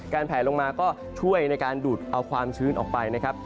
แผลลงมาก็ช่วยในการดูดเอาความชื้นออกไปนะครับ